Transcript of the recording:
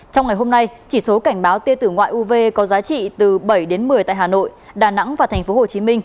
trong ngày hôm nay chỉ số cảnh báo tiêu tử ngoại uv có giá trị từ bảy đến một mươi tại hà nội đà nẵng và tp hcm